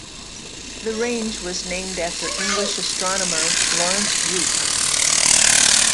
The range was named after the English astronomer Lawrence Rooke.